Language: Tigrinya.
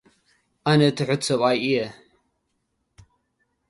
ኣነ ትሑት ሰብኣይ እየ።